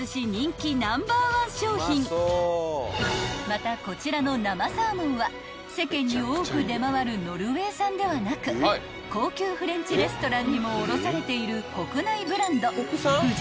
［またこちらの生サーモンは世間に多く出回るノルウェー産ではなく高級フレンチレストランにも卸されている国内ブランド］